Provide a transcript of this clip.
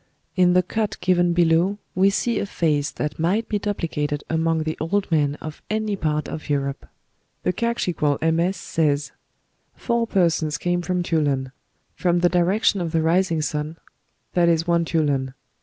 In the cut given below we see a face that might be duplicated among the old men of any part of Europe. The Cakchiquel MS. says: "Four persons came from Tulan, from the direction of the rising sun that is one Tulan.